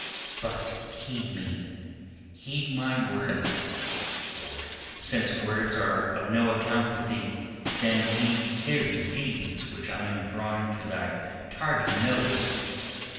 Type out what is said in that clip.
But heed me—heed my words; or since words are of no account with thee, then heed his deeds which I am drawing to thy tardy notice.